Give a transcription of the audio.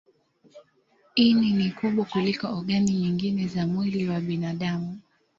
Ini ni kubwa kuliko ogani nyingine za mwili wa binadamu.